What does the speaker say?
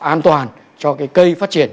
an toàn cho cái cây phát triển